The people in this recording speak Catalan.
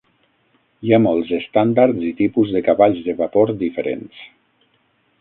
Hi ha molts estàndards i tipus de cavalls de vapor diferents.